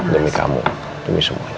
demi kamu demi semuanya